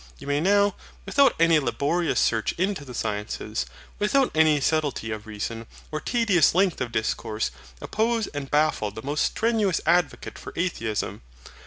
You may now, without any laborious search into the sciences, without any subtlety of reason, or tedious length of discourse, oppose and baffle the most strenuous advocate for Atheism.